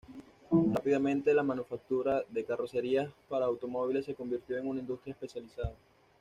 Rápidamente, la manufactura de carrocerías para automóviles se convirtió en una industria especializada.